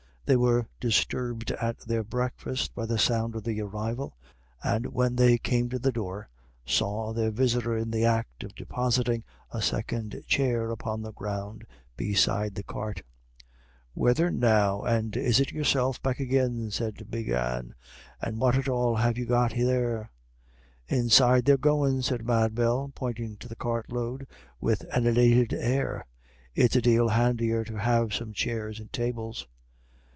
They were disturbed at their breakfast by the sound of the arrival, and when they came to the door, saw their visitor in the act of depositing a second chair upon the ground beside the cart. "Whethen now and is it yourself back agin?" said Big Anne. "And what at all have you got there?" "Inside they're goin'," said Mad Bell, pointing to the cart load with an elated air. "It's a dale handier to have some chairs and tables."